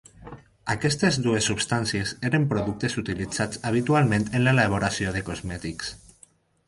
Aquestes dues substàncies eren productes utilitzats habitualment en l'elaboració de cosmètics.